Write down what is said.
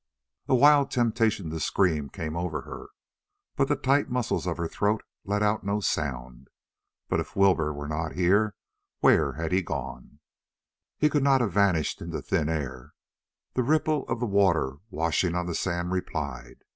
A wild temptation to scream came over her, but the tight muscles of her throat let out no sound. But if Wilbur were not here, where had he gone? He could not have vanished into thin air. The ripple of the water washing on the sand replied.